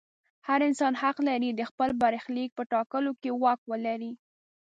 هر انسان حق لري د خپل برخلیک په ټاکلو کې واک ولري.